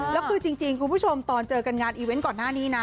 แล้วคือจริงคุณผู้ชมตอนเจอกันงานอีเวนต์ก่อนหน้านี้นะ